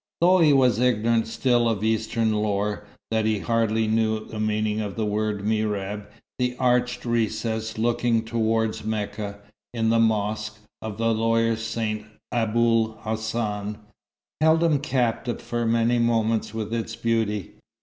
Though he was so ignorant still of eastern lore, that he hardly knew the meaning of the word mihrab, the arched recess looking towards Mecca, in the Mosque of the lawyer saint Aboul Hassan, held him captive for many moments with its beauty.